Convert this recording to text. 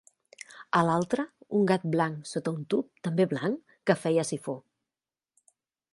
A l'altre, un gat blanc sota un tub, també blanc, que feia sifó.